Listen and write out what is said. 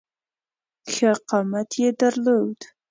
ښه قامت یې درلود.